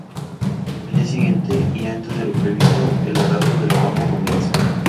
Al día siguiente, y antes de lo previsto, el arado del campo comienza.